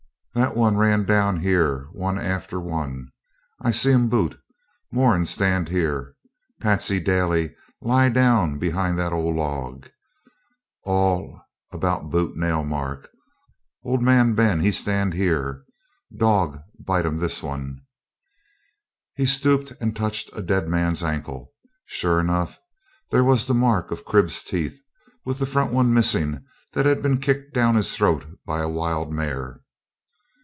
'That one ran down here one after one. I see 'em boot. Moran stand here. Patsey Daly lie down behind that ole log. All about boot nail mark. Old man Ben he stand here. Dog bite'm this one.' Here he stooped and touched a dead man's ankle. Sure enough there was the mark of Crib's teeth, with the front one missing, that had been kicked down his throat by a wild mare.